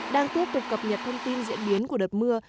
đang tiếp tục cập nhật thông tin diễn biến của đợt mưa